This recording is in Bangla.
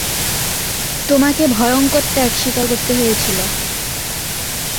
তোমাকে ভয়ংকর ত্যাগ স্বীকার করতে হয়েছিল।